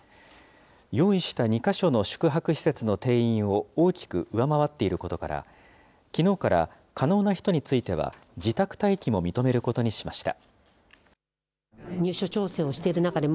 用意した２か所の宿泊施設の定員を大きく上回っていることから、きのうから可能な人については、自宅待機も認めることにしました。